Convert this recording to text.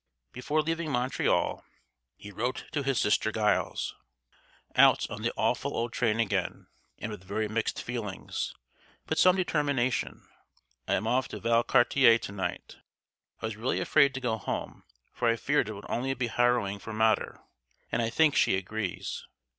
Before leaving Montreal he wrote to his sister Geills: "Out on the awful old trail again! And with very mixed feelings, but some determination. I am off to Val cartier to night. I was really afraid to go home, for I feared it would only be harrowing for Mater, and I think she agrees.